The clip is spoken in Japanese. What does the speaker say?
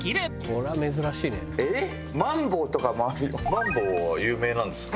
マンボウは有名なんですか？